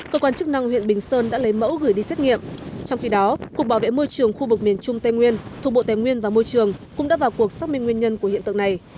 cơ quan chức năng huyện bình sơn đã lấy mẫu gửi đi xét nghiệm trong khi đó cục bảo vệ môi trường khu vực miền trung tây nguyên thuộc bộ tài nguyên và môi trường cũng đã vào cuộc xác minh nguyên nhân của hiện tượng này